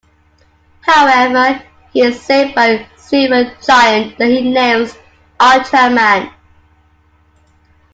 However, he is saved by a silver giant that he names "Ultraman".